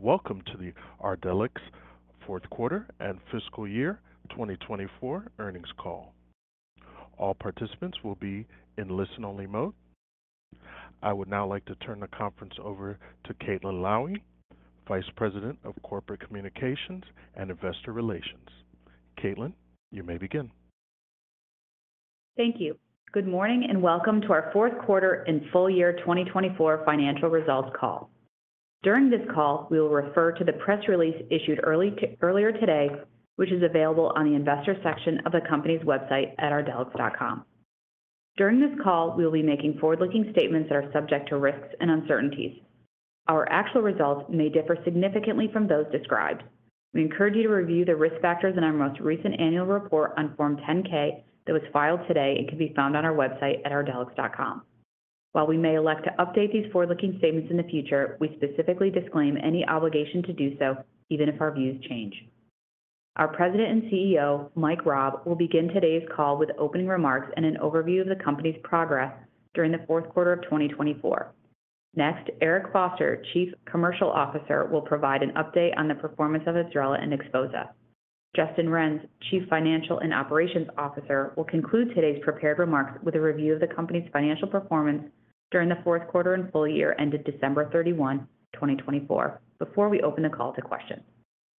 SPEAWelcome to the Ardelyx Fourth Quarter and Fiscal Year 2024 earnings call. All participants will be in listen-only mode. I would now like to turn the conference over to Caitlin Lowie, Vice President of Corporate Communications and Investor Relations. Caitlin, you may begin. Thank you. Good morning and welcome to our fourth quarter and full year 2024 financial results call. During this call, we will refer to the press release issued earlier today, which is available on the Investor section of the company's website at ardelyx.com. During this call, we will be making forward-looking statements that are subject to risks and uncertainties. Our actual results may differ significantly from those described. We encourage you to review the risk factors in our most recent annual report on Form 10-K that was filed today and can be found on our website at ardelyx.com. While we may elect to update these forward-looking statements in the future, we specifically disclaim any obligation to do so, even if our views change. Our President and CEO, Mike Raab, will begin today's call with opening remarks and an overview of the company's progress during the fourth quarter of 2024. Next, Eric Foster, Chief Commercial Officer, will provide an update on the performance of Ibsrela and Xphozah. Justin Renz, Chief Financial and Operations Officer, will conclude today's prepared remarks with a review of the company's financial performance during the fourth quarter and full year ended December 31, 2024, before we open the call to questions.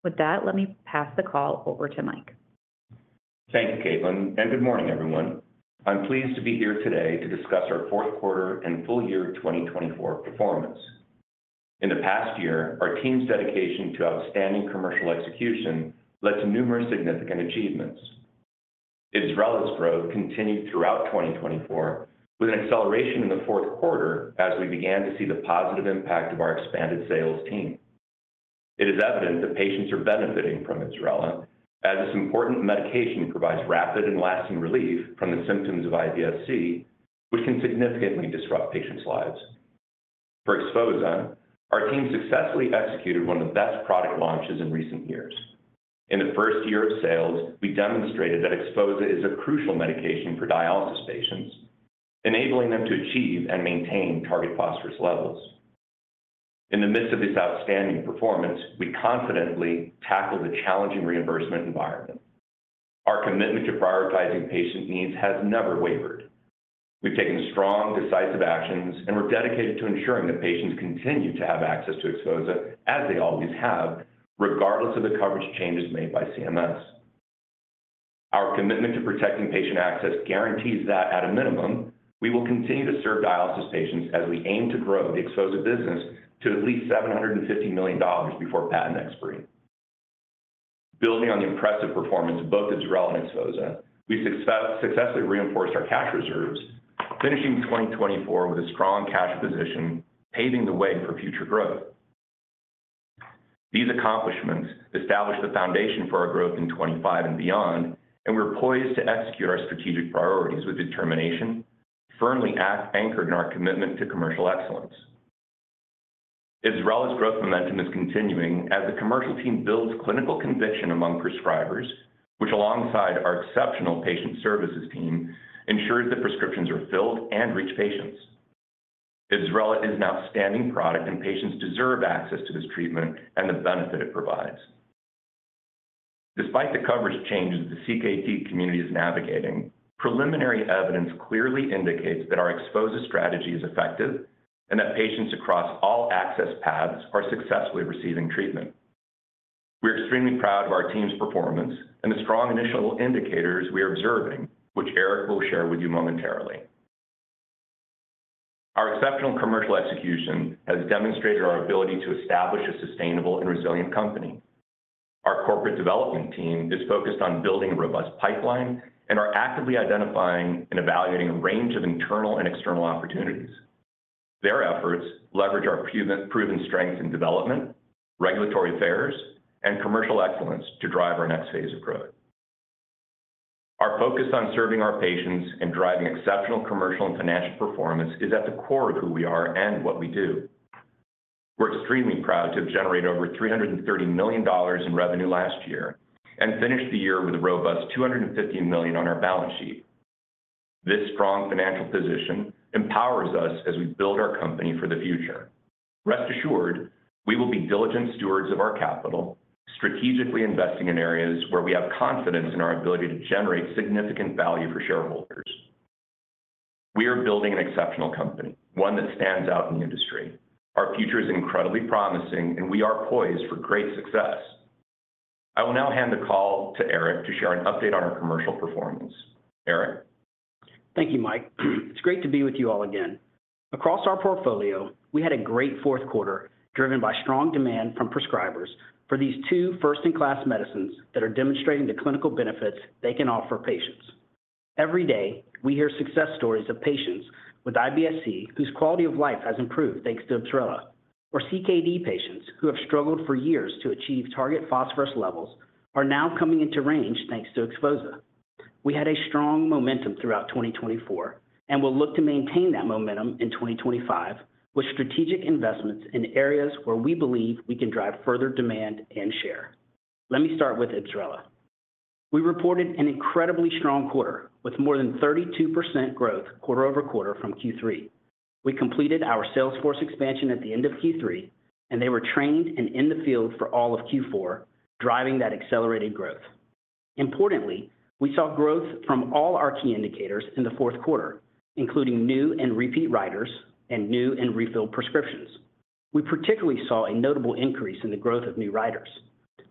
With that, let me pass the call over to Mike. Thank you, Caitlin, and good morning, everyone. I'm pleased to be here today to discuss our fourth quarter and full year 2024 performance. In the past year, our team's dedication to outstanding commercial execution led to numerous significant achievements. Ibsrela's growth continued throughout 2024, with an acceleration in the fourth quarter as we began to see the positive impact of our expanded sales team. It is evident that patients are benefiting from Ibsrela, as this important medication provides rapid and lasting relief from the symptoms of IBS-C, which can significantly disrupt patients' lives. For Xphozah, our team successfully executed one of the best product launches in recent years. In the first year of sales, we demonstrated that Xphozah is a crucial medication for dialysis patients, enabling them to achieve and maintain target phosphorus levels. In the midst of this outstanding performance, we confidently tackled the challenging reimbursement environment. Our commitment to prioritizing patient needs has never wavered. We've taken strong, decisive actions, and we're dedicated to ensuring that patients continue to have access to Xphozah, as they always have, regardless of the coverage changes made by CMS. Our commitment to protecting patient access guarantees that, at a minimum, we will continue to serve dialysis patients as we aim to grow the Xphozah business to at least $750 million before patent expiry. Building on the impressive performance of both Ibsrela and Xphozah, we've successfully reinforced our cash reserves, finishing 2024 with a strong cash position, paving the way for future growth. These accomplishments establish the foundation for our growth in 2025 and beyond, and we're poised to execute our strategic priorities with determination, firmly anchored in our commitment to commercial excellence. Ibsrela's growth momentum is continuing as the commercial team builds clinical conviction among prescribers, which, alongside our exceptional patient services team, ensures that prescriptions are filled and reach patients. Ibsrela is an outstanding product, and patients deserve access to this treatment and the benefit it provides. Despite the coverage changes the CKD community is navigating, preliminary evidence clearly indicates that our Xphozah strategy is effective and that patients across all access paths are successfully receiving treatment. We're extremely proud of our team's performance and the strong initial indicators we are observing, which Eric will share with you momentarily. Our exceptional commercial execution has demonstrated our ability to establish a sustainable and resilient company. Our corporate development team is focused on building a robust pipeline and are actively identifying and evaluating a range of internal and external opportunities. Their efforts leverage our proven strengths in development, regulatory affairs, and commercial excellence to drive our next phase of growth. Our focus on serving our patients and driving exceptional commercial and financial performance is at the core of who we are and what we do. We're extremely proud to have generated over $330 million in revenue last year and finished the year with a robust $250 million on our balance sheet. This strong financial position empowers us as we build our company for the future. Rest assured, we will be diligent stewards of our capital, strategically investing in areas where we have confidence in our ability to generate significant value for shareholders. We are building an exceptional company, one that stands out in the industry. Our future is incredibly promising, and we are poised for great success. I will now hand the call to Eric to share an update on our commercial performance. Eric? Thank you, Mike. It's great to be with you all again. Across our portfolio, we had a great fourth quarter driven by strong demand from prescribers for these two first-in-class medicines that are demonstrating the clinical benefits they can offer patients. Every day, we hear success stories of patients with IBS-C whose quality of life has improved thanks to Ibsrela, or CKD patients who have struggled for years to achieve target phosphorus levels, are now coming into range thanks to Xphozah. We had a strong momentum throughout 2024 and will look to maintain that momentum in 2025 with strategic investments in areas where we believe we can drive further demand and share. Let me start with Ibsrela. We reported an incredibly strong quarter with more than 32% growth quarter over quarter from Q3. We completed our sales force expansion at the end of Q3, and they were trained and in the field for all of Q4, driving that accelerated growth. Importantly, we saw growth from all our key indicators in the fourth quarter, including new and repeat writers and new and refilled prescriptions. We particularly saw a notable increase in the growth of new writers.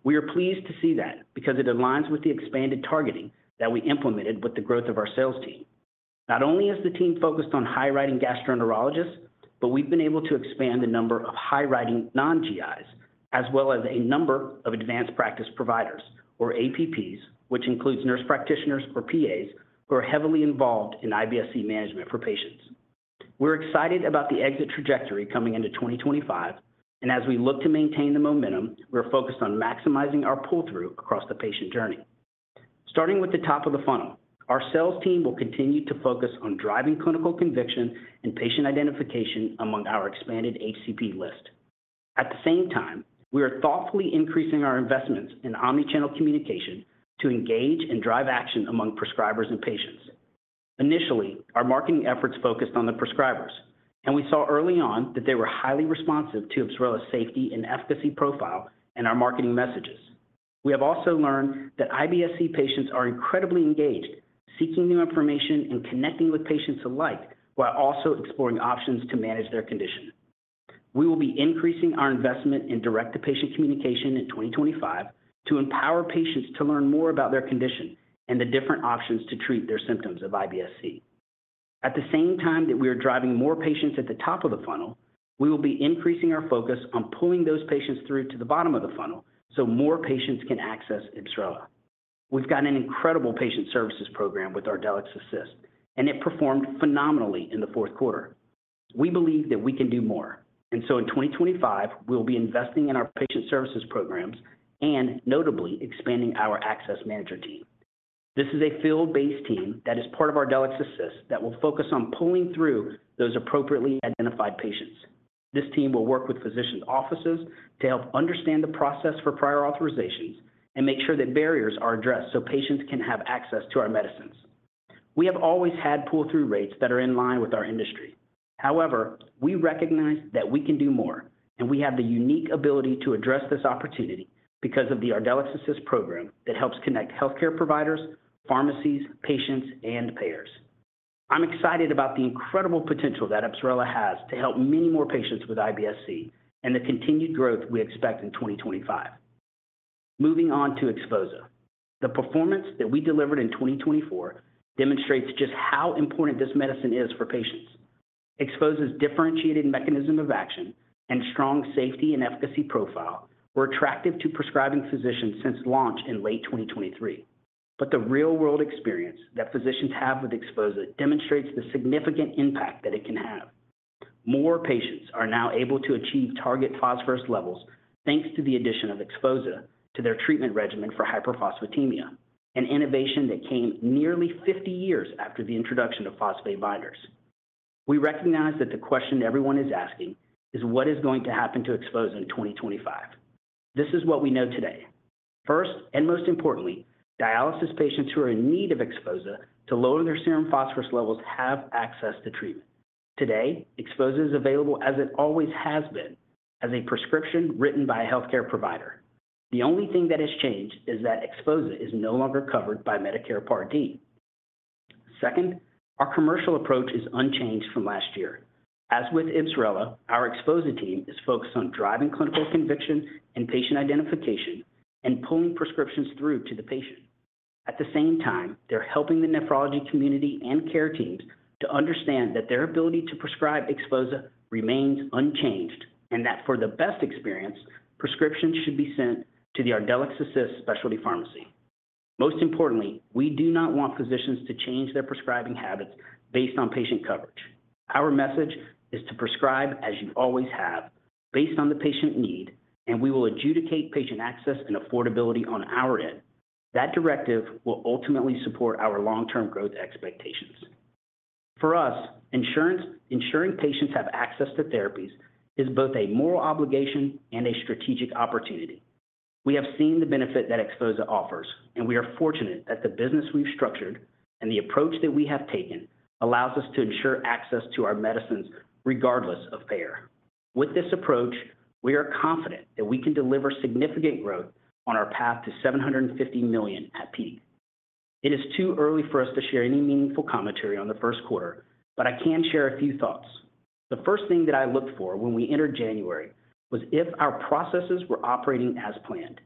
We are pleased to see that because it aligns with the expanded targeting that we implemented with the growth of our sales team. Not only is the team focused on high-prescribing gastroenterologists, but we've been able to expand the number of high-prescribing non-GIs as well as a number of advanced practice providers, or APPs, which includes nurse practitioners or PAs who are heavily involved in IBS-C management for patients. We're excited about the exit trajectory coming into 2025, and as we look to maintain the momentum, we're focused on maximizing our pull-through across the patient journey. Starting with the top of the funnel, our sales team will continue to focus on driving clinical conviction and patient identification among our expanded HCP list. At the same time, we are thoughtfully increasing our investments in omnichannel communication to engage and drive action among prescribers and patients. Initially, our marketing efforts focused on the prescribers, and we saw early on that they were highly responsive to Ibsrela's safety and efficacy profile and our marketing messages. We have also learned that IBS-C patients are incredibly engaged, seeking new information and connecting with patients alike while also exploring options to manage their condition. We will be increasing our investment in direct-to-patient communication in 2025 to empower patients to learn more about their condition and the different options to treat their symptoms of IBS-C. At the same time that we are driving more patients at the top of the funnel, we will be increasing our focus on pulling those patients through to the bottom of the funnel so more patients can access Ibsrela. We've got an incredible patient services program with ArdelyxAssist, and it performed phenomenally in the fourth quarter. We believe that we can do more, and so in 2025, we'll be investing in our patient services programs and notably expanding our access manager team. This is a field-based team that is part of ArdelyxAssist that will focus on pulling through those appropriately identified patients. This team will work with physicians' offices to help understand the process for prior authorizations and make sure that barriers are addressed so patients can have access to our medicines. We have always had pull-through rates that are in line with our industry. However, we recognize that we can do more, and we have the unique ability to address this opportunity because of the ArdelyxAssist program that helps connect healthcare providers, pharmacies, patients, and payers. I'm excited about the incredible potential that Ibsrela has to help many more patients with IBS-C and the continued growth we expect in 2025. Moving on to Xphozah. The performance that we delivered in 2024 demonstrates just how important this medicine is for patients. Xphozah's differentiated mechanism of action and strong safety and efficacy profile were attractive to prescribing physicians since launch in late 2023. But the real-world experience that physicians have with Xphozah demonstrates the significant impact that it can have. More patients are now able to achieve target phosphorus levels thanks to the addition of Xphozah to their treatment regimen for hyperphosphatemia, an innovation that came nearly 50 years after the introduction of phosphate binders. We recognize that the question everyone is asking is, what is going to happen to Xphozah in 2025? This is what we know today. First and most importantly, dialysis patients who are in need of Xphozah to lower their serum phosphorus levels have access to treatment. Today, Xphozah is available as it always has been, as a prescription written by a healthcare provider. The only thing that has changed is that Xphozah is no longer covered by Medicare Part D. Second, our commercial approach is unchanged from last year. As with Ibsrela, our Xphozah team is focused on driving clinical conviction and patient identification and pulling prescriptions through to the patient. At the same time, they're helping the nephrology community and care teams to understand that their ability to prescribe Xphozah remains unchanged and that for the best experience, prescriptions should be sent to the ArdelyxAssist specialty pharmacy. Most importantly, we do not want physicians to change their prescribing habits based on patient coverage. Our message is to prescribe as you always have, based on the patient need, and we will adjudicate patient access and affordability on our end. That directive will ultimately support our long-term growth expectations. For us, insurance, ensuring patients have access to therapies, is both a moral obligation and a strategic opportunity. We have seen the benefit that Xphozah offers, and we are fortunate that the business we've structured and the approach that we have taken allows us to ensure access to our medicines regardless of payer. With this approach, we are confident that we can deliver significant growth on our path to $750 million at peak. It is too early for us to share any meaningful commentary on the first quarter, but I can share a few thoughts. The first thing that I looked for when we entered January was if our processes were operating as planned,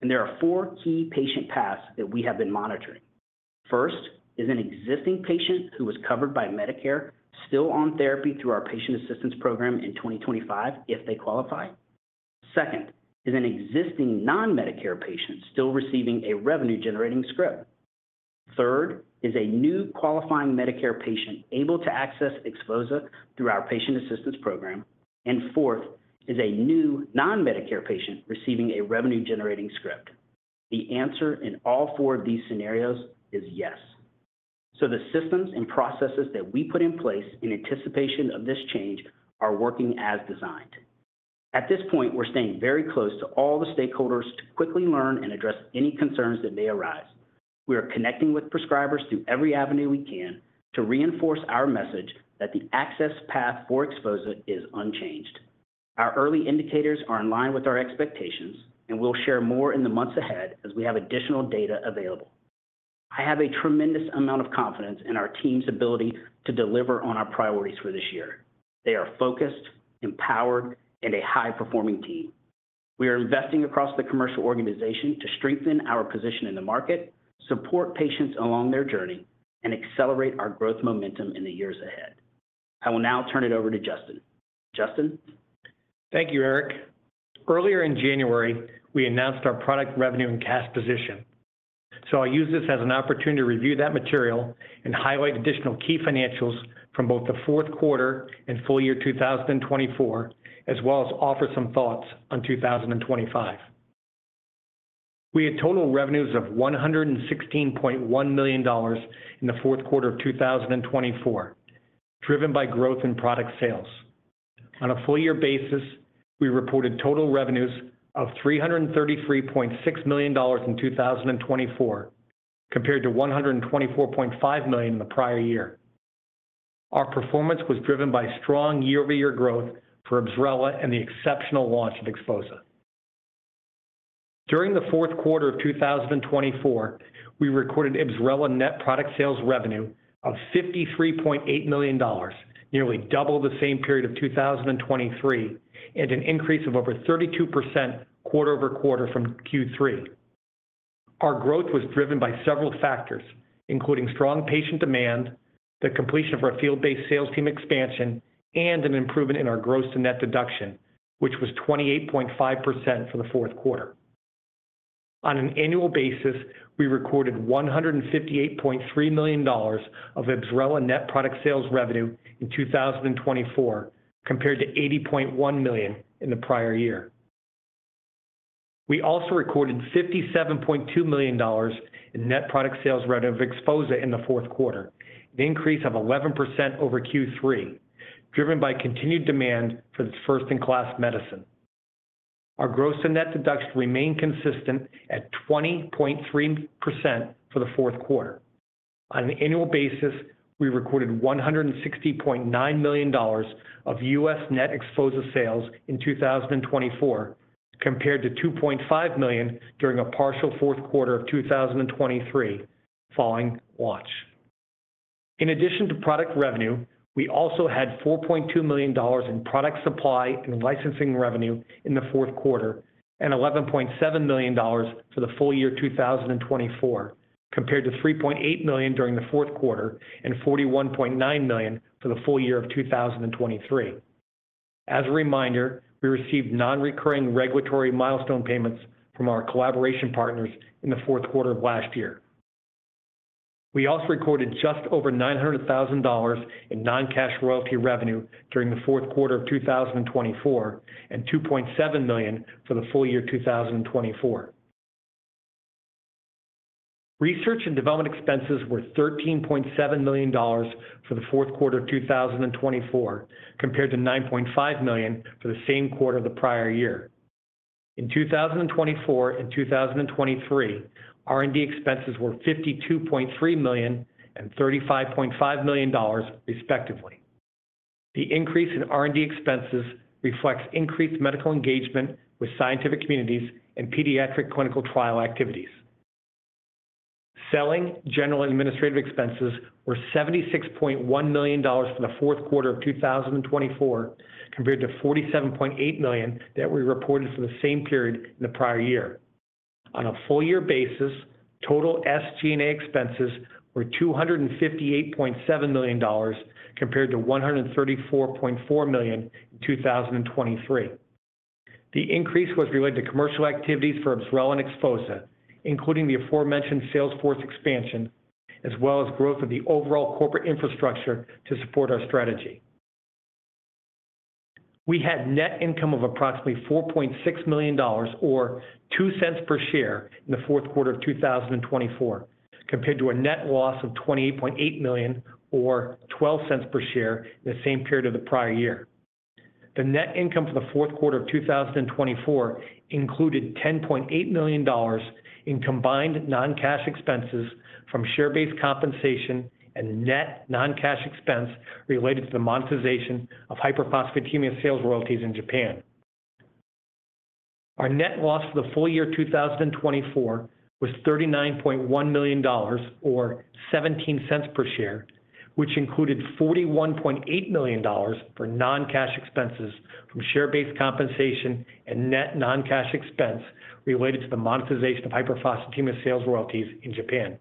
and there are four key patient paths that we have been monitoring. First is an existing patient who is covered by Medicare, still on therapy through our patient assistance program in 2025 if they qualify. Second is an existing non-Medicare patient still receiving a revenue-generating script. Third is a new qualifying Medicare patient able to access Xphozah through our patient assistance program. And fourth is a new non-Medicare patient receiving a revenue-generating script. The answer in all four of these scenarios is yes. So the systems and processes that we put in place in anticipation of this change are working as designed. At this point, we're staying very close to all the stakeholders to quickly learn and address any concerns that may arise. We are connecting with prescribers through every avenue we can to reinforce our message that the access path for Xphozah is unchanged. Our early indicators are in line with our expectations, and we'll share more in the months ahead as we have additional data available. I have a tremendous amount of confidence in our team's ability to deliver on our priorities for this year. They are focused, empowered, and a high-performing team. We are investing across the commercial organization to strengthen our position in the market, support patients along their journey, and accelerate our growth momentum in the years ahead. I will now turn it over to Justin. Justin? Thank you, Eric. Earlier in January, we announced our product revenue and cash position. So I'll use this as an opportunity to review that material and highlight additional key financials from both the fourth quarter and full year 2024, as well as offer some thoughts on 2025. We had total revenues of $116.1 million in the fourth quarter of 2024, driven by growth in product sales. On a full year basis, we reported total revenues of $333.6 million in 2024, compared to $124.5 million in the prior year. Our performance was driven by strong year-over-year growth for Ibsrela and the exceptional launch of Xphozah. During the fourth quarter of 2024, we recorded Ibsrela net product sales revenue of $53.8 million, nearly double the same period of 2023, and an increase of over 32% quarter over quarter from Q3. Our growth was driven by several factors, including strong patient demand, the completion of our field-based sales team expansion, and an improvement in our gross-to-net deduction, which was 28.5% for the fourth quarter. On an annual basis, we recorded $158.3 million of Ibsrela net product sales revenue in 2024, compared to $80.1 million in the prior year. We also recorded $57.2 million in net product sales revenue of Xphozah in the fourth quarter, an increase of 11% over Q3, driven by continued demand for this first-in-class medicine. Our gross-to-net deduction remained consistent at 20.3% for the fourth quarter. On an annual basis, we recorded $160.9 million of U.S. net Xphozah sales in 2024, compared to $2.5 million during a partial fourth quarter of 2023, following launch. In addition to product revenue, we also had $4.2 million in product supply and licensing revenue in the fourth quarter and $11.7 million for the full year 2024, compared to $3.8 million during the fourth quarter and $41.9 million for the full year of 2023. As a reminder, we received non-recurring regulatory milestone payments from our collaboration partners in the fourth quarter of last year. We also recorded just over $900,000 in non-cash royalty revenue during the fourth quarter of 2024 and $2.7 million for the full year 2024. Research and development expenses were $13.7 million for the fourth quarter of 2024, compared to $9.5 million for the same quarter of the prior year. In 2024 and 2023, R&D expenses were $52.3 million and $35.5 million, respectively. The increase in R&D expenses reflects increased medical engagement with scientific communities and pediatric clinical trial activities. General and administrative expenses were $76.1 million for the fourth quarter of 2024, compared to $47.8 million that we reported for the same period in the prior year. On a full year basis, total SG&A expenses were $258.7 million, compared to $134.4 million in 2023. The increase was related to commercial activities for Ibsrela and Xphozah, including the aforementioned sales force expansion, as well as growth of the overall corporate infrastructure to support our strategy. We had net income of approximately $4.6 million, or $0.02 per share, in the fourth quarter of 2024, compared to a net loss of $28.8 million, or $0.12 per share, in the same period of the prior year. The net income for the fourth quarter of 2024 included $10.8 million in combined non-cash expenses from share-based compensation and net non-cash expense related to the monetization of hyperphosphatemia sales royalties in Japan. Our net loss for the full year 2024 was $39.1 million, or $0.17 per share, which included $41.8 million for non-cash expenses from share-based compensation and net non-cash expense related to the monetization of hyperphosphatemia sales royalties in Japan.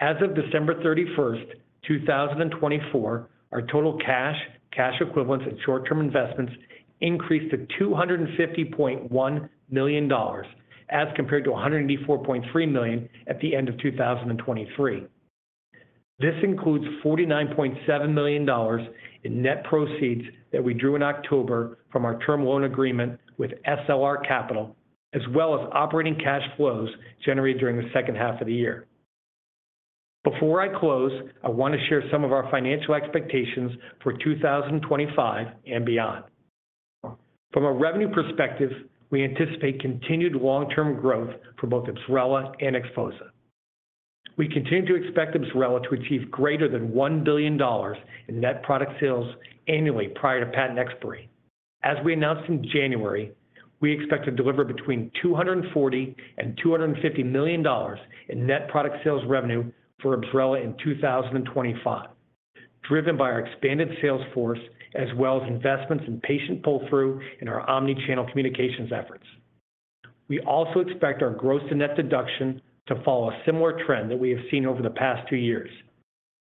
As of December 31, 2024, our total cash, cash equivalents, and short-term investments increased to $250.1 million, as compared to $184.3 million at the end of 2023. This includes $49.7 million in net proceeds that we drew in October from our term loan agreement with SLR Capital, as well as operating cash flows generated during the second half of the year. Before I close, I want to share some of our financial expectations for 2025 and beyond. From a revenue perspective, we anticipate continued long-term growth for both Ibsrela and Xphozah. We continue to expect Ibsrela to achieve greater than $1 billion in net product sales annually prior to patent expiry. As we announced in January, we expect to deliver between $240 million and $250 million in net product sales revenue for Ibsrela in 2025, driven by our expanded sales force, as well as investments in patient pull-through and our omnichannel communications efforts. We also expect our gross-to-net deduction to follow a similar trend that we have seen over the past two years,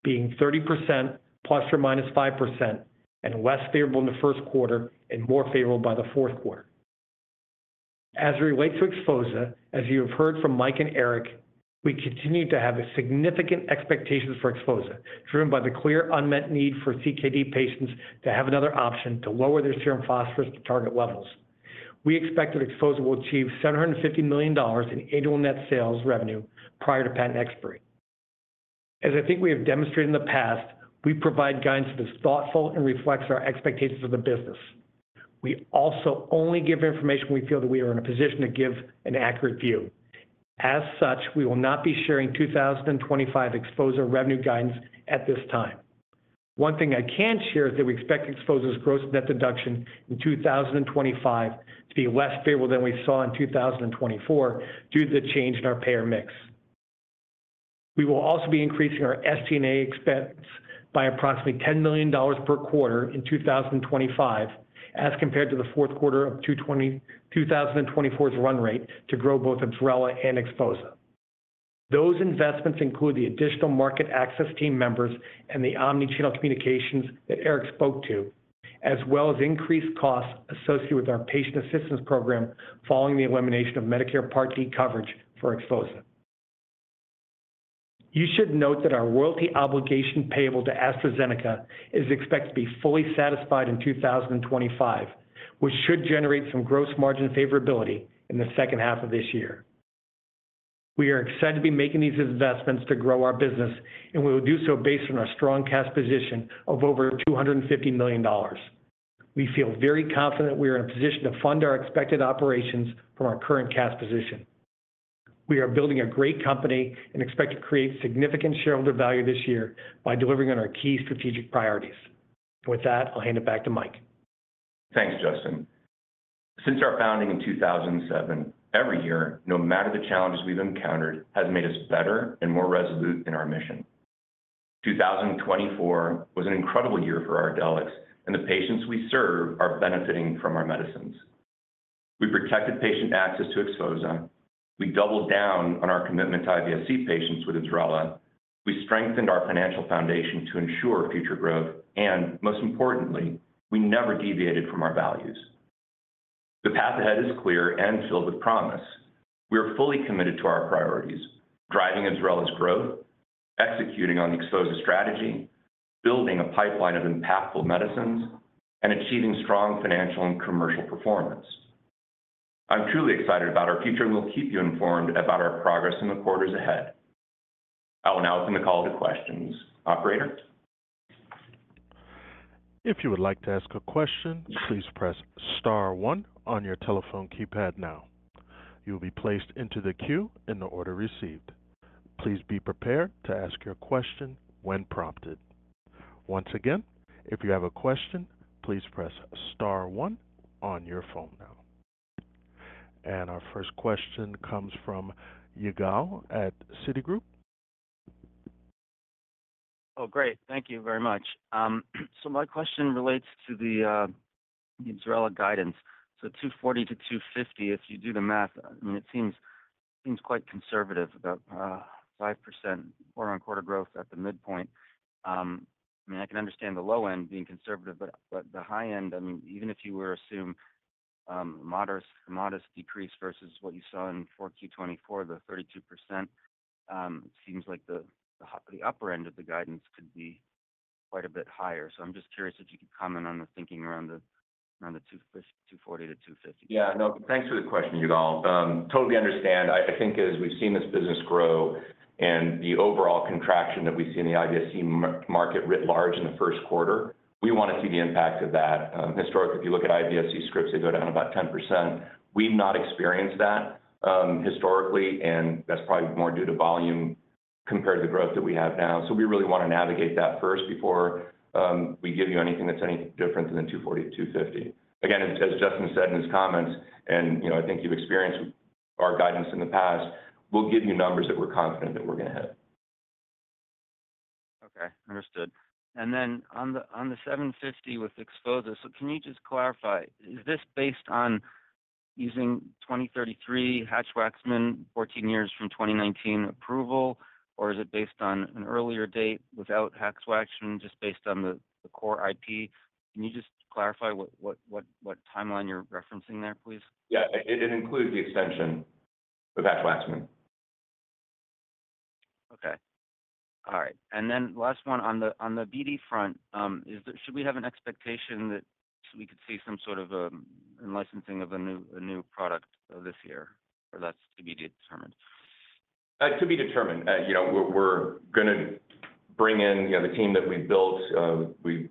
being 30% plus or minus 5% and less favorable in the first quarter and more favorable by the fourth quarter. As we relate to Xphozah, as you have heard from Mike and Eric, we continue to have significant expectations for Xphozah, driven by the clear unmet need for CKD patients to have another option to lower their serum phosphorus to target levels. We expect that Xphozah will achieve $750 million in annual net sales revenue prior to patent expiry. As I think we have demonstrated in the past, we provide guidance that is thoughtful and reflects our expectations of the business. We also only give information when we feel that we are in a position to give an accurate view. As such, we will not be sharing 2025 Xphozah revenue guidance at this time. One thing I can share is that we expect Xphozah's gross-to-net deduction in 2025 to be less favorable than we saw in 2024 due to the change in our payer mix. We will also be increasing our SG&A expense by approximately $10 million per quarter in 2025, as compared to the fourth quarter of 2024's run rate, to grow both Ibsrela and Xphozah. Those investments include the additional market access team members and the omnichannel communications that Eric spoke to, as well as increased costs associated with our patient assistance program following the elimination of Medicare Part D coverage for Xphozah. You should note that our royalty obligation payable to AstraZeneca is expected to be fully satisfied in 2025, which should generate some gross margin favorability in the second half of this year. We are excited to be making these investments to grow our business, and we will do so based on our strong cash position of over $250 million. We feel very confident that we are in a position to fund our expected operations from our current cash position. We are building a great company and expect to create significant shareholder value this year by delivering on our key strategic priorities. With that, I'll hand it back to Mike. Thanks, Justin. Since our founding in 2007, every year, no matter the challenges we've encountered, has made us better and more resolute in our mission. 2024 was an incredible year for Ardelyx, and the patients we serve are benefiting from our medicines. We protected patient access to Xphozah. We doubled down on our commitment to IBS-C patients with Ibsrela. We strengthened our financial foundation to ensure future growth. And most importantly, we never deviated from our values. The path ahead is clear and filled with promise. We are fully committed to our priorities, driving Ibsrela's growth, executing on the Xphozah strategy, building a pipeline of impactful medicines, and achieving strong financial and commercial performance. I'm truly excited about our future, and we'll keep you informed about our progress in the quarters ahead. I'll now open the call to questions. Operator? If you would like to ask a question, please press Star one on your telephone keypad now. You will be placed into the queue in the order received. Please be prepared to ask your question when prompted. Once again, if you have a question, please press Star one on your phone now. And our first question comes from Yigal at Citigroup. Oh, great. Thank you very much. So my question relates to the Ibsrela guidance. So 240 to 250, if you do the math, I mean, it seems quite conservative about 5% quarter-on-quarter growth at the midpoint. I mean, I can understand the low end being conservative, but the high end, I mean, even if you were to assume a modest decrease versus what you saw in Q4, the 32%, it seems like the upper end of the guidance could be quite a bit higher. So I'm just curious if you could comment on the thinking around the 240 to 250. Yeah. No, thanks for the question, Yigal. Totally understand. I think as we've seen this business grow and the overall contraction that we see in the IBS-C market writ large in the first quarter, we want to see the impact of that. Historically, if you look at IBS-C scripts, they go down about 10%. We've not experienced that historically, and that's probably more due to volume compared to the growth that we have now. So we really want to navigate that first before we give you anything that's any different than the 240-250. Again, as Justin said in his comments, and I think you've experienced our guidance in the past, we'll give you numbers that we're confident that we're going to hit. Okay. Understood. And then on the 750 with Xphozah, so can you just clarify, is this based on using 2033 Hatch-Waxman, 14 years from 2019 approval, or is it based on an earlier date without Hatch-Waxman, just based on the core IP? Can you just clarify what timeline you're referencing there, please? Yeah. It includes the extension of Hatch-Waxman. Okay. All right. And then last one on the BD front, should we have an expectation that we could see some sort of licensing of a new product this year, or that's to be determined? To be determined. We're going to bring in the team that we've built. We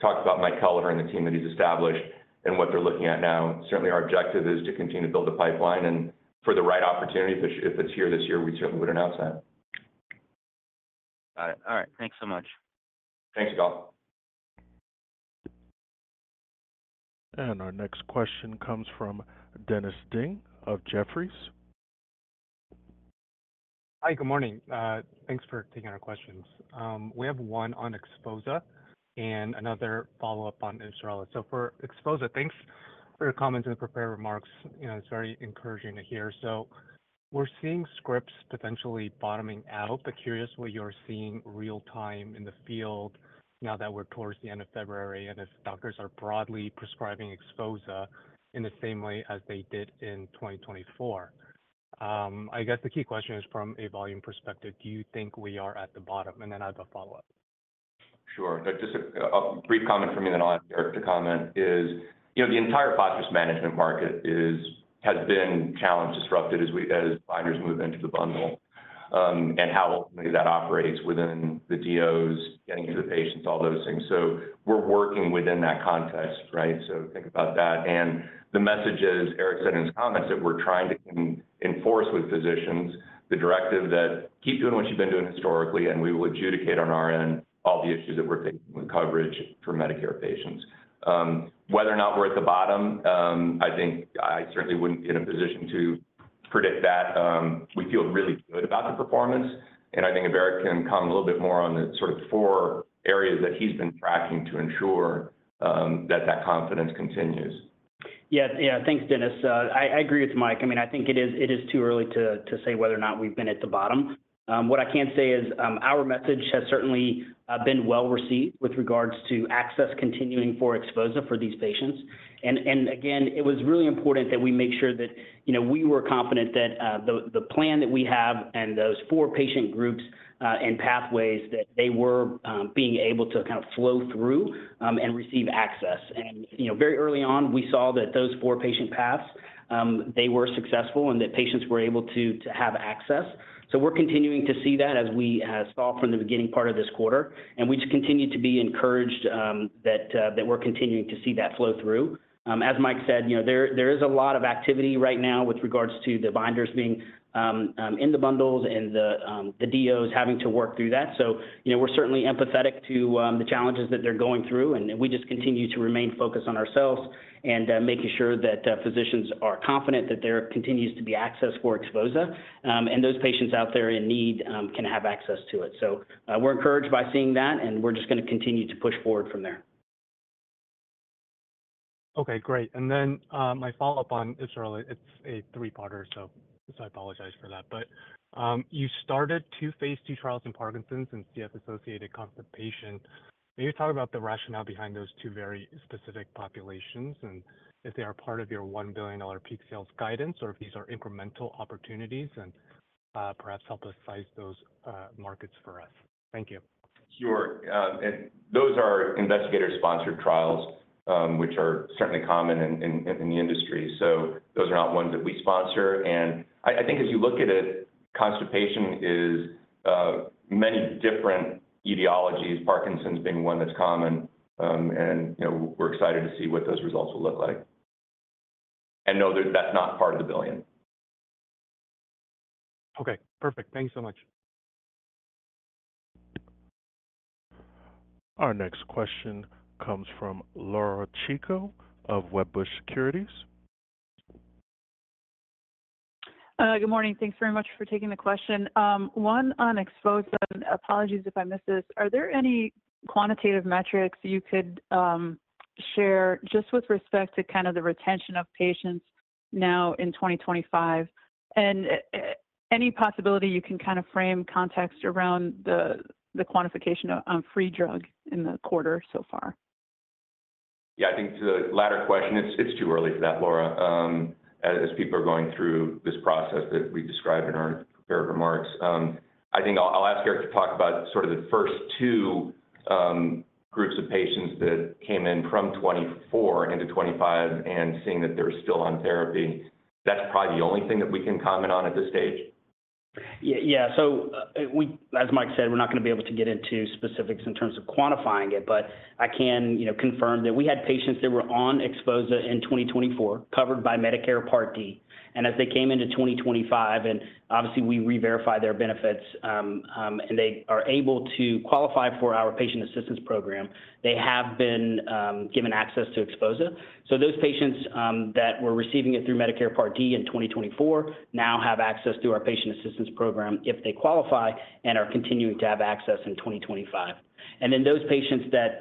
talked about Mike Kelleher and the team that he's established and what they're looking at now. Certainly, our objective is to continue to build the pipeline, and for the right opportunity, if it's here this year, we certainly would announce that. Got it. All right. Thanks so much. Thanks, Yigal. Our next question comes from Dennis Ding of Jefferies. Hi. Good morning. Thanks for taking our questions. We have one on Xphozah and another follow-up on Ibsrela. So for Xphozah, thanks for your comments and the prepared remarks. It's very encouraging to hear. So we're seeing scripts potentially bottoming out, but curious what you're seeing real-time in the field now that we're towards the end of February and if doctors are broadly prescribing Xphozah in the same way as they did in 2024. I guess the key question is from a volume perspective, do you think we are at the bottom? And then I have a follow-up. Sure. Just a brief comment from me, and then I'll ask Eric to comment, is the entire phosphorus management market has been challenged, disrupted as binders move into the bundle and how that operates within the DOs, getting to the patients, all those things. So we're working within that context, right? So think about that. And the messages, Eric said in his comments, that we're trying to enforce with physicians, the directive that keep doing what you've been doing historically, and we will adjudicate on our end all the issues that we're facing with coverage for Medicare patients. Whether or not we're at the bottom, I think I certainly wouldn't be in a position to predict that. We feel really good about the performance. I think if Eric can comment a little bit more on the sort of four areas that he's been tracking to ensure that that confidence continues. Yeah. Yeah. Thanks, Dennis. I agree with Mike. I mean, I think it is too early to say whether or not we've been at the bottom. What I can say is our message has certainly been well received with regards to access continuing for Xphozah for these patients, and again, it was really important that we make sure that we were confident that the plan that we have and those four patient groups and pathways, that they were being able to kind of flow through and receive access, and very early on, we saw that those four patient paths, they were successful and that patients were able to have access. So we're continuing to see that as we saw from the beginning part of this quarter, and we just continue to be encouraged that we're continuing to see that flow through. As Mike said, there is a lot of activity right now with regards to the binders being in the bundles and the DOs having to work through that. So we're certainly empathetic to the challenges that they're going through. And we just continue to remain focused on ourselves and making sure that physicians are confident that there continues to be access for Xphozah. And those patients out there in need can have access to it. So we're encouraged by seeing that, and we're just going to continue to push forward from there. Okay. Great. And then my follow-up on Ibsrela, it's a three-parter, so I apologize for that. But you started two phase 2 trials in Parkinson's and CF-associated constipation. Can you talk about the rationale behind those two very specific populations and if they are part of your $1 billion peak sales guidance or if these are incremental opportunities and perhaps help us size those markets for us? Thank you. Sure. And those are investigator-sponsored trials, which are certainly common in the industry. So those are not ones that we sponsor. And I think as you look at it, constipation is many different etiologies, Parkinson's being one that's common. And we're excited to see what those results will look like. And no, that's not part of the billion. Okay. Perfect. Thanks so much. Our next question comes from Laura Chico of Wedbush Securities. Good morning. Thanks very much for taking the question. One on Xphozah, and apologies if I missed this. Are there any quantitative metrics you could share just with respect to kind of the retention of patients now in 2025? And any possibility you can kind of frame context around the quantification on free drug in the quarter so far? Yeah. I think to the latter question, it's too early for that, Laura, as people are going through this process that we described in our prepared remarks. I think I'll ask Eric to talk about sort of the first two groups of patients that came in from 2024 into 2025 and seeing that they're still on therapy. That's probably the only thing that we can comment on at this stage. Yeah. So as Mike said, we're not going to be able to get into specifics in terms of quantifying it, but I can confirm that we had patients that were on Xphozah in 2024, covered by Medicare Part D. And as they came into 2025, and obviously we re-verify their benefits and they are able to qualify for our patient assistance program, they have been given access to Xphozah. So those patients that were receiving it through Medicare Part D in 2024 now have access through our patient assistance program if they qualify and are continuing to have access in 2025. And then those patients that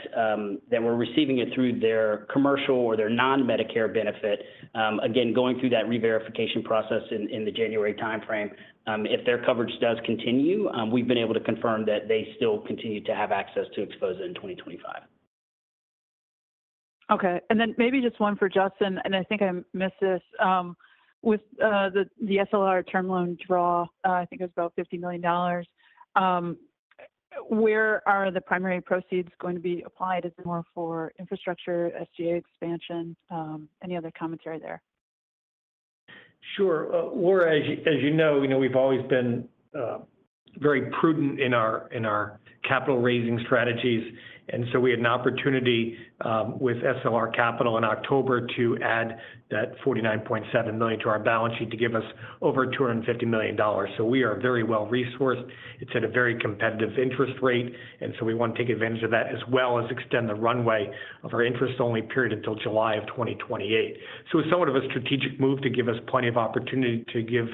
were receiving it through their commercial or their non-Medicare benefit, again, going through that re-verification process in the January timeframe, if their coverage does continue, we've been able to confirm that they still continue to have access to Xphozah in 2025. Okay. And then maybe just one for Justin, and I think I missed this. With the SLR term loan draw, I think it was about $50 million. Where are the primary proceeds going to be applied? Is it more for infrastructure, SGA expansion? Any other commentary there? Sure. Laura, as you know, we've always been very prudent in our capital-raising strategies. And so we had an opportunity with SLR Capital in October to add that $49.7 million to our balance sheet to give us over $250 million. So we are very well resourced. It's at a very competitive interest rate. And so we want to take advantage of that as well as extend the runway of our interest-only period until July of 2028. So it's somewhat of a strategic move to give us plenty of opportunity to give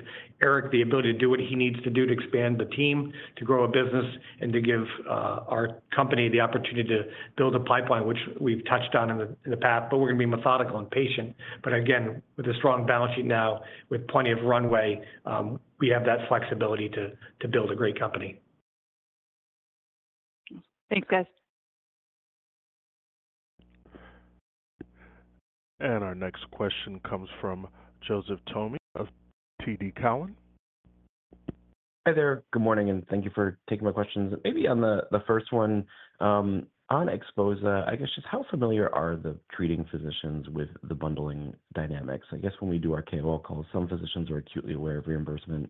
Eric the ability to do what he needs to do to expand the team, to grow a business, and to give our company the opportunity to build a pipeline, which we've touched on in the past. But we're going to be methodical and patient. But again, with a strong balance sheet now, with plenty of runway, we have that flexibility to build a great company. Thanks, guys. Our next question comes from Joseph Thome of TD Cowen. Hi there. Good morning, and thank you for taking my questions. Maybe on the first one, on Xphozah, I guess just how familiar are the treating physicians with the bundling dynamics? I guess when we do our KOL calls, some physicians are acutely aware of reimbursement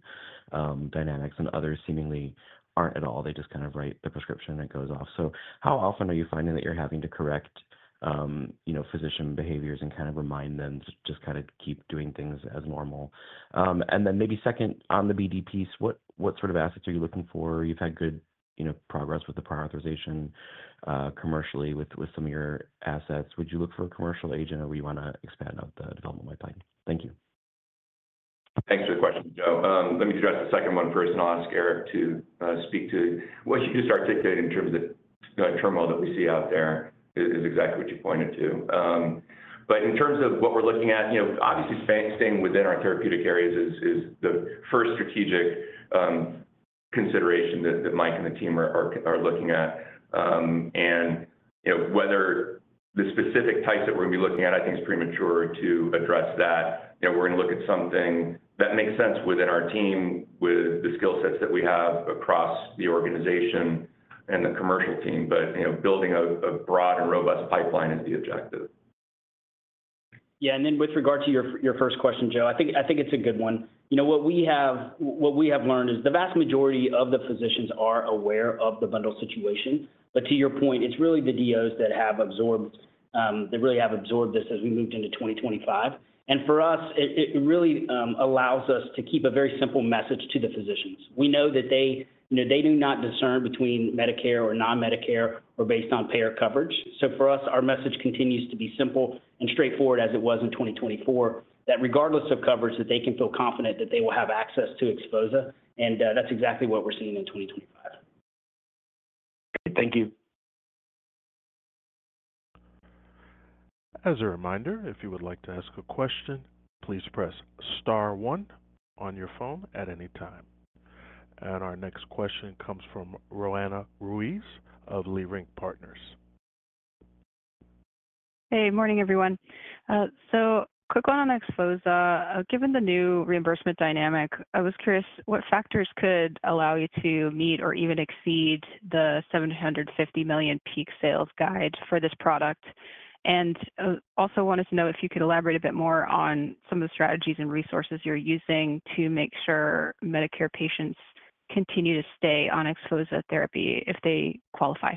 dynamics, and others seemingly aren't at all. They just kind of write the prescription and it goes off. So how often are you finding that you're having to correct physician behaviors and kind of remind them to just kind of keep doing things as normal? And then maybe second, on the BD piece, what sort of assets are you looking for? You've had good progress with the prior authorization commercially with some of your assets. Would you look for a commercial agent, or would you want to expand out the development pipeline? Thank you. Thanks for the question, Joe. Let me address the second one first and ask Eric to speak to. What you just articulated in terms of the term loan that we see out there is exactly what you pointed to, but in terms of what we're looking at, obviously staying within our therapeutic areas is the first strategic consideration that Mike and the team are looking at, and whether the specific types that we're going to be looking at, I think, is premature to address that. We're going to look at something that makes sense within our team with the skill sets that we have across the organization and the commercial team, but building a broad and robust pipeline is the objective. Yeah. And then with regard to your first question, Joe, I think it's a good one. What we have learned is the vast majority of the physicians are aware of the bundle situation. But to your point, it's really the DOs that have absorbed that as we moved into 2025. And for us, it really allows us to keep a very simple message to the physicians. We know that they do not discern between Medicare or non-Medicare or based on payer coverage. So for us, our message continues to be simple and straightforward as it was in 2024, that regardless of coverage, that they can feel confident that they will have access to Xphozah. And that's exactly what we're seeing in 2025. Thank you. As a reminder, if you would like to ask a question, please press star one on your phone at any time. And our next question comes from Roanna Ruiz of Leerink Partners. Hey. Morning, everyone. So quick one on Xphozah. Given the new reimbursement dynamic, I was curious what factors could allow you to meet or even exceed the $750 million peak sales guide for this product? And also wanted to know if you could elaborate a bit more on some of the strategies and resources you're using to make sure Medicare patients continue to stay on Xphozah therapy if they qualify?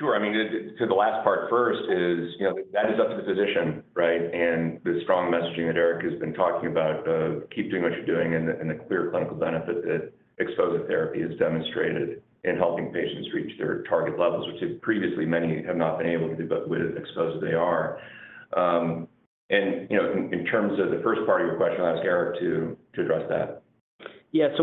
Sure. I mean, to the last part first, that is up to the physician, right? And the strong messaging that Eric has been talking about of keep doing what you're doing and the clear clinical benefit that Xphozah therapy has demonstrated in helping patients reach their target levels, which previously many have not been able to do, but with Xphozah, they are. And in terms of the first part of your question, I'll ask Eric to address that. Yeah, so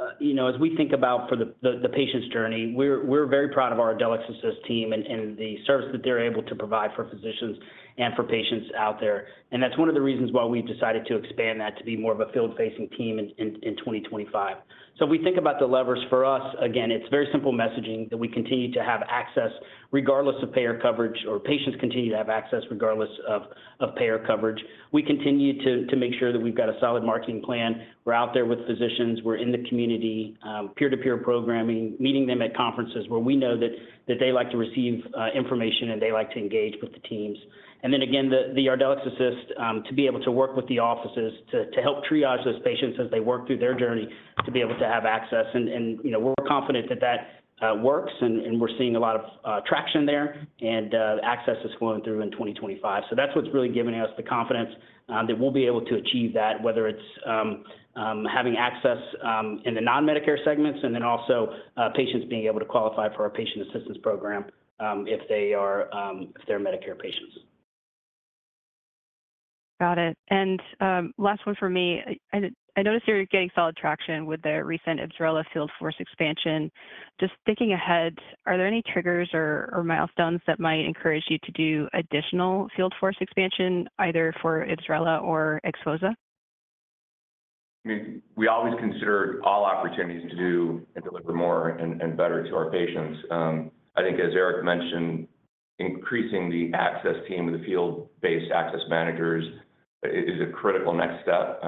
as we think about for the patient's journey, we're very proud of our ArdelyxAssist team and the service that they're able to provide for physicians and for patients out there, and that's one of the reasons why we've decided to expand that to be more of a field-facing team in 2025, so if we think about the levers for us, again, it's very simple messaging that we continue to have access regardless of payer coverage or patients continue to have access regardless of payer coverage. We continue to make sure that we've got a solid marketing plan. We're out there with physicians. We're in the community, peer-to-peer programming, meeting them at conferences where we know that they like to receive information and they like to engage with the teams. Then again, the ArdelyxAssist to be able to work with the offices to help triage those patients as they work through their journey to be able to have access. We're confident that that works, and we're seeing a lot of traction there, and access is flowing through in 2025. That's what's really giving us the confidence that we'll be able to achieve that, whether it's having access in the non-Medicare segments and then also patients being able to qualify for our patient assistance program if they are Medicare patients. Got it. And last one for me. I noticed you're getting solid traction with the recent Ibsrela field force expansion. Just thinking ahead, are there any triggers or milestones that might encourage you to do additional field force expansion either for Ibsrela or Xphozah? I mean, we always consider all opportunities to do and deliver more and better to our patients. I think, as Eric mentioned, increasing the access team of the field-based access managers is a critical next step.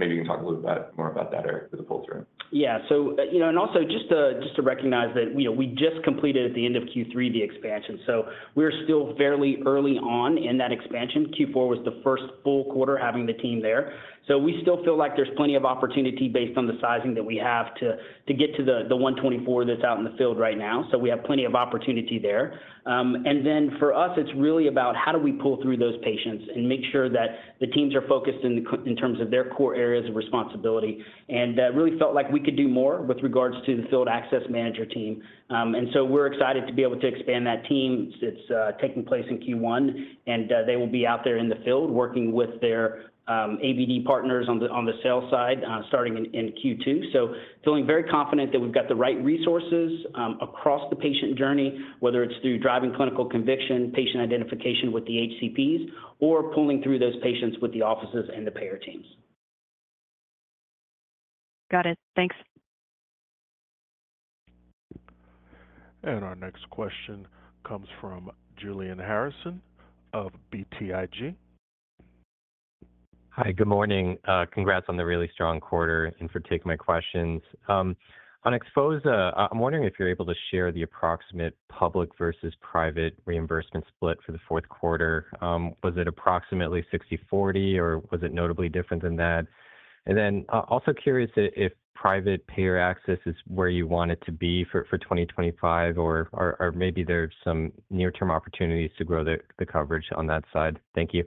Maybe you can talk a little bit more about that, Eric, to the full team. Yeah. And also just to recognize that we just completed at the end of Q3 the expansion. So we're still fairly early on in that expansion. Q4 was the first full quarter having the team there. So we still feel like there's plenty of opportunity based on the sizing that we have to get to the 124 that's out in the field right now. So we have plenty of opportunity there. And then for us, it's really about how do we pull through those patients and make sure that the teams are focused in terms of their core areas of responsibility. And that really felt like we could do more with regards to the field access manager team. And so we're excited to be able to expand that team. It's taking place in Q1, and they will be out there in the field working with their ABD partners on the sales side starting in Q2. So, feeling very confident that we've got the right resources across the patient journey, whether it's through driving clinical conviction, patient identification with the HCPs, or pulling through those patients with the offices and the payer teams. Got it. Thanks. Our next question comes from Julian Harrison of BTIG. Hi. Good morning. Congrats on the really strong quarter and for taking my questions. On Xphozah, I'm wondering if you're able to share the approximate public versus private reimbursement split for the fourth quarter. Was it approximately 60/40, or was it notably different than that, and then also curious if private payer access is where you want it to be for 2025, or maybe there's some near-term opportunities to grow the coverage on that side. Thank you.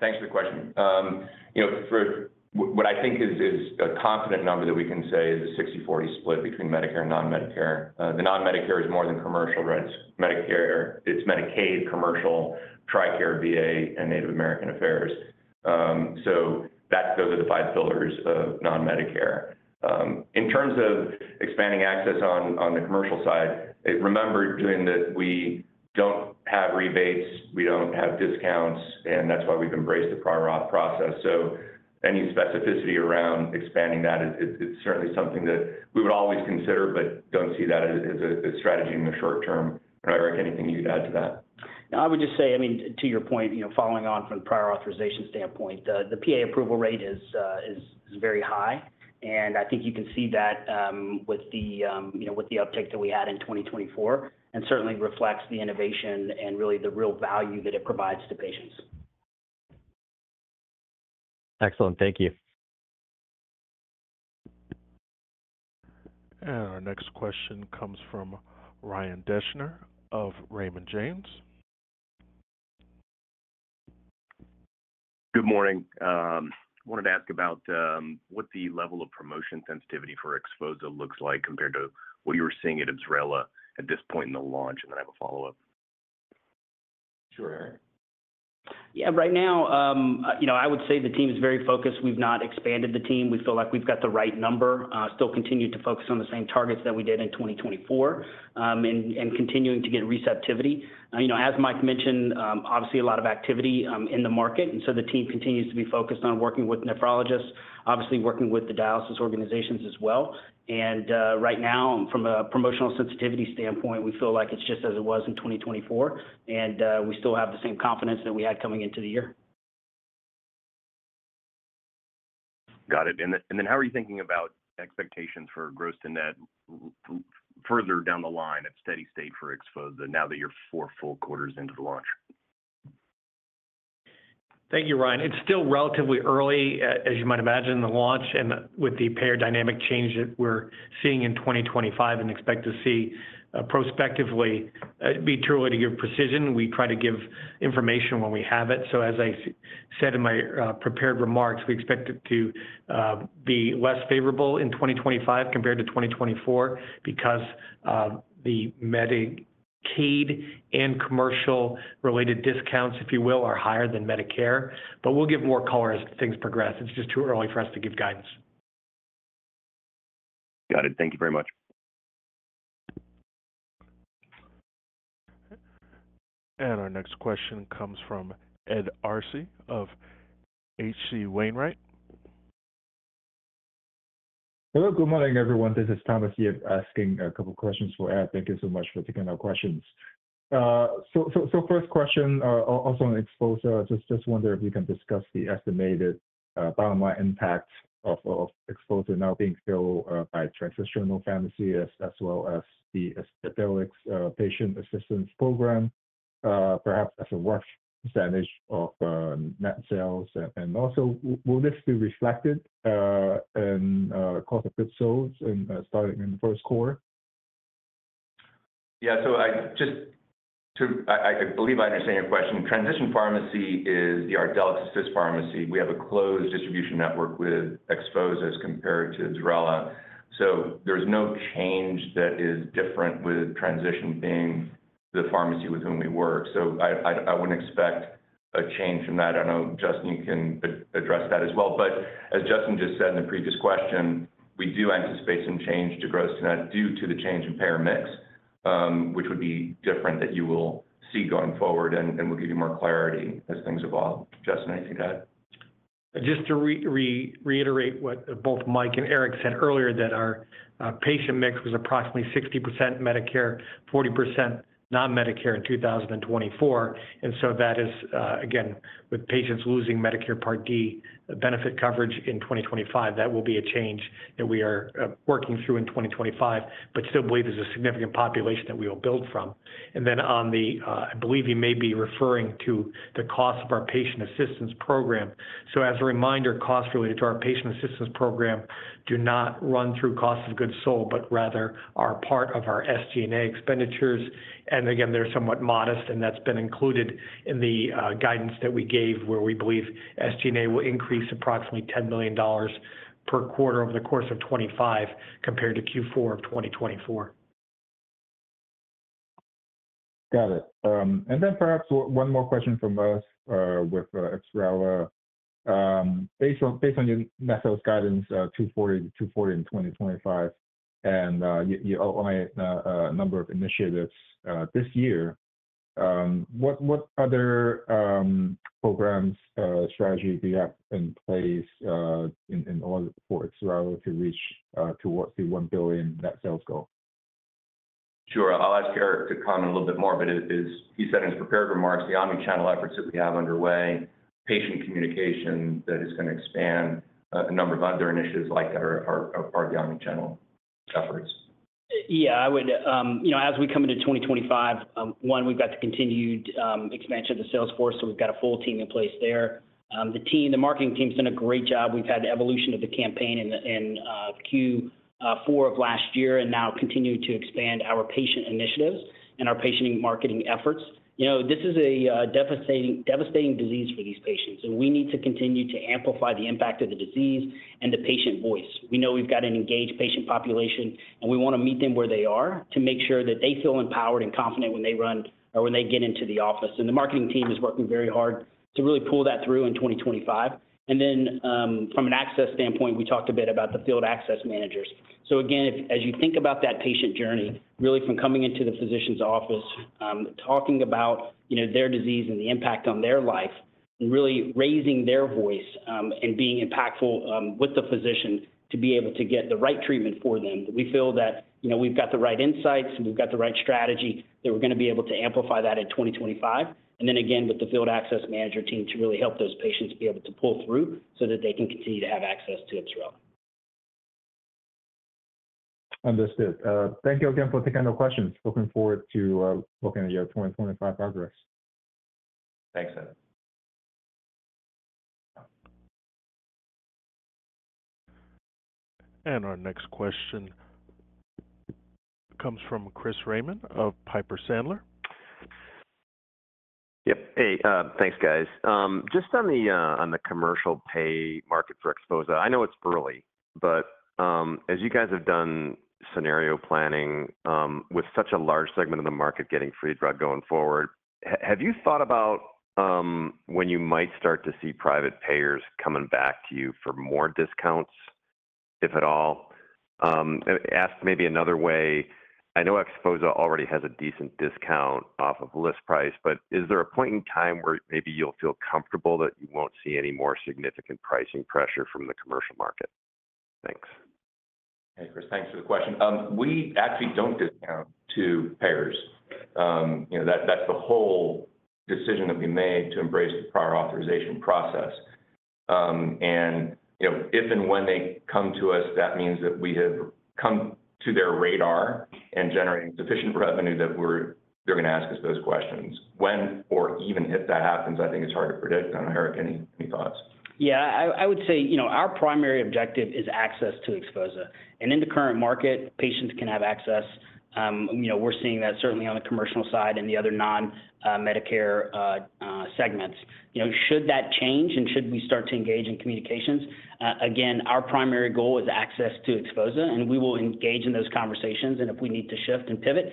Thanks for the question. What I think is a confident number that we can say is a 60/40 split between Medicare and non-Medicare. The non-Medicare is more than commercial, right? It's Medicare, it's Medicaid, commercial, TRICARE, VA, and Native American Affairs. So those are the five pillars of non-Medicare. In terms of expanding access on the commercial side, remember that we don't have rebates, we don't have discounts, and that's why we've embraced the prior auth process. So any specificity around expanding that, it's certainly something that we would always consider, but don't see that as a strategy in the short term. And, Eric, anything you'd add to that? I would just say, I mean, to your point, following on from the prior authorization standpoint, the PA approval rate is very high, and I think you can see that with the uptick that we had in 2024, and certainly reflects the innovation and really the real value that it provides to patients. Excellent. Thank you. And our next question comes from Ryan Deschner of Raymond James. Good morning. I wanted to ask about what the level of promotion sensitivity for Xphozah looks like compared to what you were seeing at Ibsrela at this point in the launch, and then I have a follow-up. Sure, Eric. Yeah. Right now, I would say the team is very focused. We've not expanded the team. We feel like we've got the right number, still continue to focus on the same targets that we did in 2024, and continuing to get receptivity. As Mike mentioned, obviously a lot of activity in the market. And so the team continues to be focused on working with nephrologists, obviously working with the dialysis organizations as well. And right now, from a promotional sensitivity standpoint, we feel like it's just as it was in 2024, and we still have the same confidence that we had coming into the year. Got it. And then how are you thinking about expectations for gross to net further down the line at steady state for Xphozah now that you're four full quarters into the launch? Thank you, Ryan. It's still relatively early, as you might imagine, the launch, and with the payer dynamic change that we're seeing in 2025 and expect to see prospectively. It'd be true to your precision. We try to give information when we have it, so as I said in my prepared remarks, we expect it to be less favorable in 2025 compared to 2024 because the Medicaid and commercial-related discounts, if you will, are higher than Medicare, but we'll give more color as things progress. It's just too early for us to give guidance. Got it. Thank you very much. And our next question comes from Ed Arce of H.C. Wainwright. Hello. Good morning, everyone. This is Thomas here asking a couple of questions for Ed. Thank you so much for taking our questions, so first question, also on Xphozah, just wonder if you can discuss the estimated bottom-line impact of Xphozah now being filled by Transitional Pharmacy as well as the Ardelyx's patient assistance program, perhaps as a rough percentage of net sales, and also, will this be reflected in the cost of goods sold starting in the first quarter? Yeah. So just to, I believe, I understand your question. Transition Pharmacy is the exclusive pharmacy. We have a closed distribution network with Xphozah as compared to Ibsrela. So there's no change that is different with Transition being the pharmacy with whom we work. So I wouldn't expect a change from that. I know Justin can address that as well. But as Justin just said in the previous question, we do anticipate some change to gross to net due to the change in payer mix, which would be different, that you will see going forward, and we'll give you more clarity as things evolve. Justin, anything to add? Just to reiterate what both Mike and Eric said earlier, that our patient mix was approximately 60% Medicare, 40% non-Medicare in 2024, and so that is, again, with patients losing Medicare Part D benefit coverage in 2025, that will be a change that we are working through in 2025, but still believe there's a significant population that we will build from, and then on the, I believe you may be referring to the cost of our patient assistance program, so as a reminder, costs related to our patient assistance program do not run through cost of goods sold, but rather are part of our SG&A expenditures, and again, they're somewhat modest, and that's been included in the guidance that we gave where we believe SG&A will increase approximately $10 million per quarter over the course of 2025 compared to Q4 of 2024. Got it. And then perhaps one more question from us with Ibsrela. Based on your net sales guidance, $240 million to $240 million in 2025, and you outlined a number of initiatives this year, what other programs, strategies do you have in place in order for Ibsrela to reach towards the $1 billion net sales goal? Sure. I'll ask Eric to comment a little bit more, but he said in his prepared remarks the omnichannel efforts that we have underway, patient communication that is going to expand, a number of other initiatives like that are the omnichannel efforts. Yeah. As we come into 2025, one, we've got the continued expansion of the sales force, so we've got a full team in place there. The marketing team's done a great job. We've had the evolution of the campaign in Q4 of last year and now continue to expand our patient initiatives and our patient marketing efforts. This is a devastating disease for these patients, and we need to continue to amplify the impact of the disease and the patient voice. We know we've got an engaged patient population, and we want to meet them where they are to make sure that they feel empowered and confident when they run or when they get into the office. And the marketing team is working very hard to really pull that through in 2025. And then from an access standpoint, we talked a bit about the field access managers. So again, as you think about that patient journey, really from coming into the physician's office, talking about their disease and the impact on their life, and really raising their voice and being impactful with the physician to be able to get the right treatment for them. We feel that we've got the right insights, and we've got the right strategy that we're going to be able to amplify that in 2025, and then again, with the field access manager team to really help those patients be able to pull through so that they can continue to have access to Ibsrela. Understood. Thank you again for taking our questions. Looking forward to looking at your 2025 progress. Thanks, Ed. Our next question comes from Chris Raymond of Piper Sandler. Yep. Hey, thanks, guys. Just on the commercial pay market for Xphozah, I know it's early, but as you guys have done scenario planning with such a large segment of the market getting free drug going forward, have you thought about when you might start to see private payers coming back to you for more discounts, if at all? Asked maybe another way, I know Xphozah already has a decent discount off of list price, but is there a point in time where maybe you'll feel comfortable that you won't see any more significant pricing pressure from the commercial market? Thanks. Hey, Chris, thanks for the question. We actually don't discount to payers. That's the whole decision that we made to embrace the prior authorization process. And if and when they come to us, that means that we have come to their radar and generating sufficient revenue that they're going to ask us those questions. When or even if that happens, I think it's hard to predict. I don't know, Eric, any thoughts? Yeah. I would say our primary objective is access to Xphozah. And in the current market, patients can have access. We're seeing that certainly on the commercial side and the other non-Medicare segments. Should that change and should we start to engage in communications? Again, our primary goal is access to Xphozah, and we will engage in those conversations. And if we need to shift and pivot,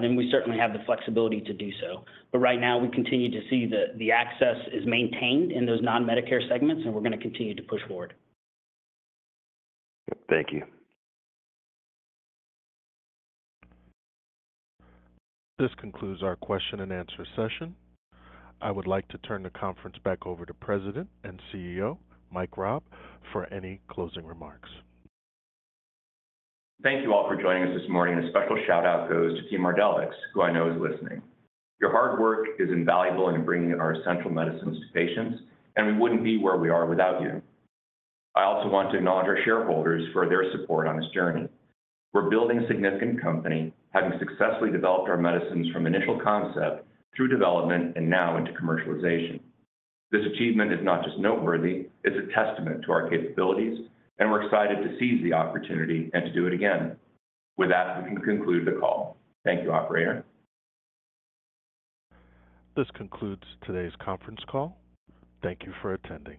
then we certainly have the flexibility to do so. But right now, we continue to see that the access is maintained in those non-Medicare segments, and we're going to continue to push forward. Thank you. This concludes our question and answer session. I would like to turn the conference back over to President and CEO, Mike Raab, for any closing remarks. Thank you all for joining us this morning. A special shout-out goes to Team Ardelyx, who I know is listening. Your hard work is invaluable in bringing our essential medicines to patients, and we wouldn't be where we are without you. I also want to acknowledge our shareholders for their support on this journey. We're building a significant company, having successfully developed our medicines from initial concept through development and now into commercialization. This achievement is not just noteworthy, it's a testament to our capabilities, and we're excited to seize the opportunity and to do it again. With that, we can conclude the call. Thank you, operator. This concludes today's conference call. Thank you for attending.